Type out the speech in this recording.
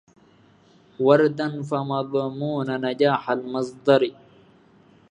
وردا فمضمون نجاح المصدر